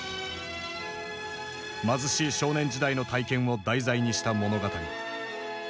貧しい少年時代の体験を題材にした物語。